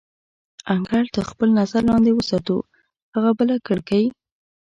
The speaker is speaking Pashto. انګړ تر خپل نظر لاندې وساتو، هغه بله کړکۍ.